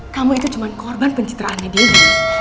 kamu itu cuma korban pencitraannya diri